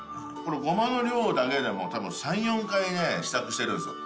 ごまの量だけでも多分３４回試作してるんですよ。